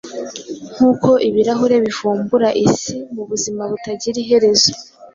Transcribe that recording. Nkuko ibirahure bivumbura Isi Mubuzimu butagira iherezo,